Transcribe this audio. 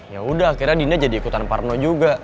yaudah akhirnya dinda jadi ikutan parno juga